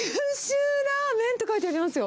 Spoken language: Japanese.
九州ラーメンって書いてありますよ。